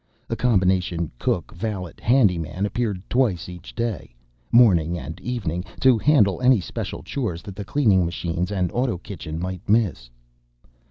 A combination cook valet handyman appeared twice each day—morning and evening—to handle any special chores that the cleaning machines and auto kitchen might miss.